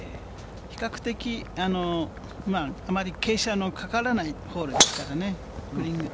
比較的、あまり傾斜のかからないホールですからね。